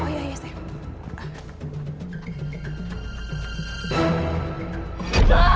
udah udah udah fani fani